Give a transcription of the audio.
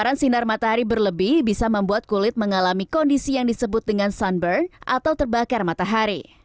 paparan sinar matahari berlebih bisa membuat kulit mengalami kondisi yang disebut dengan sunburn atau terbakar matahari